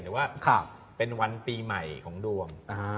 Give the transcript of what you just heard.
หรือว่าเป็นวันปีใหม่ของดวง